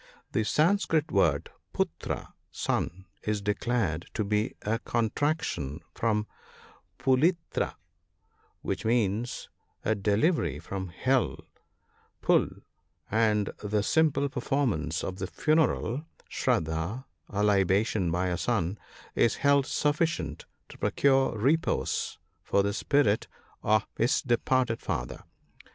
The Sanskrit word putra (son) is declared to be a contraction from put Ira, which means a deliverer from the hell pui ; and the simple performance of the funeral " shraddh " (a libation by a son) is held sufficient to procure repose for the spirit of his departed father.